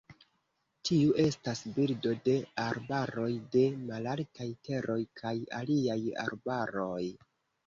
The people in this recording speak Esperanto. Tiu estas birdo de arbaroj de malaltaj teroj kaj aliaj arbaroj.